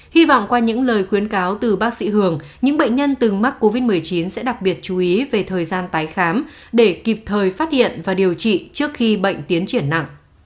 hy vọng qua những lời khuyến cáo từ bác sĩ hường những bệnh nhân từng mắc covid một mươi chín sẽ đặc biệt chú ý về thời gian tái khám để kịp thời phát hiện và điều trị trước khi bệnh tiến triển nặng